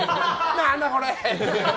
何だこれ！